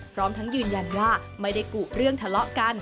พร้อมทั้งยืนยันว่าไม่ได้กุเรื่องทะเลาะกัน